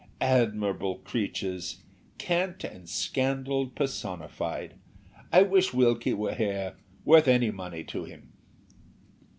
Admirable creatures! Cant and scandal personified! I wish Wilkie were here worth any money to him."